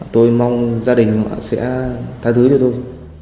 tôi mong gia đình họ sẽ tha thứ cho tôi